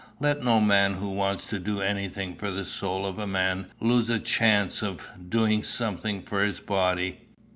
Let no man who wants to do anything for the soul of a man lose a chance of doing something for his body.